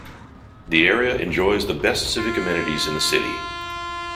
The area enjoys the best civic amenities in the city.